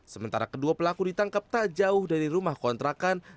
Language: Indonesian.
sementara kedua pelaku ditangkap tak jauh dari rumah kontrakan